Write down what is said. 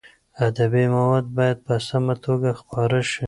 ادبي مواد باید په سمه توګه خپاره شي.